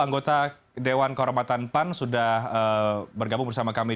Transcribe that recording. anggota dewan kehormatan pan sudah bergabung bersama kami